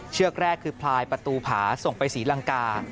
เชือกแรกคือพลายประตูผาส่งไปศรีลังกา